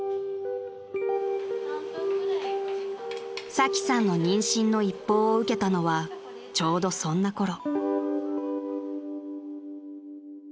［サキさんの妊娠の一報を受けたのはちょうどそんなころ］